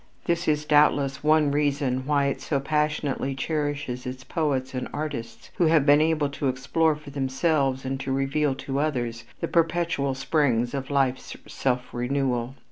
This is doubtless one reason why it so passionately cherishes its poets and artists who have been able to explore for themselves and to reveal to others the perpetual springs of life's self renewal.